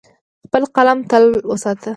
خپل قلم تل وساته.